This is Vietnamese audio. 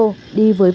đi với bậc cụ huynh